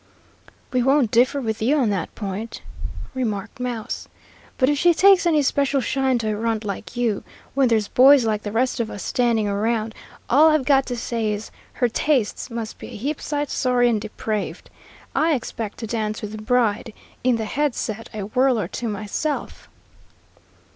"We won't differ with you on that point," remarked Mouse, "but if she takes any special shine to a runt like you, when there's boys like the rest of us standing around, all I've got to say is, her tastes must be a heap sight sorry and depraved. I expect to dance with the bride in the head set a whirl or two myself."